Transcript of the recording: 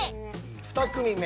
２組目。